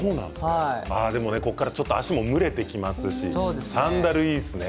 これから足も蒸れてきますし、サンダルいいですね。